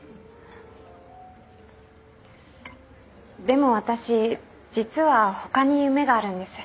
でも私実は他に夢があるんです。